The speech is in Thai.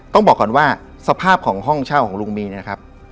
ต้องบอกก่อนว่าสภาพของห้องเช่าของลุงมีเนี่ยนะครับ